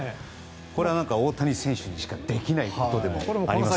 これは大谷選手にしかできないことでもありますから。